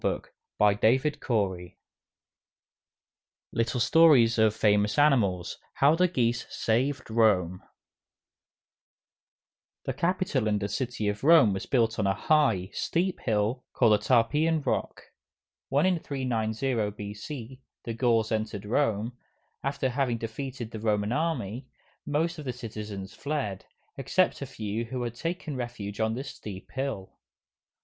LITTLE STORIES OF FAMOUS ANIMALS How the Geese Saved Rome The Capitol in the city of Rome was built on a high, steep hill called the Tarpeian Rock. When in 390 B. C. the Gauls entered Rome, after having defeated the Roman Army, most of the citizens fled, except a few who had taken refuge on this steep hill.